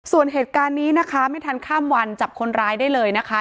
ส่วนเหตุการณ์นี้นะคะไม่ทันข้ามวันจับคนร้ายได้เลยนะคะ